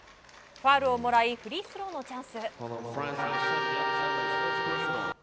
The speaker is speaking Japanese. ファウルをもらいフリースローのチャンス。